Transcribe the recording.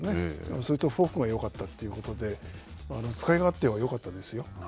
それとフォークがよかったということで使い勝手はよかったですよ。